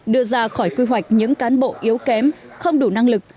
đưa ra khỏi quy hoạch những cán bộ yếu kém không đủ năng lực